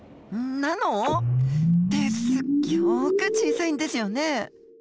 ナノ？ってすっギョく小さいんですよね？